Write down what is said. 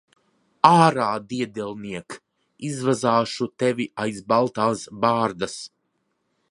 Ārā, diedelniek! Izvazāšu tevi aiz baltās bārdas.